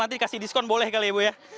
nanti kasih diskon boleh kali ibu ya